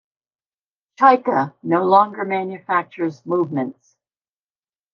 Chaika no longer manufactures movements.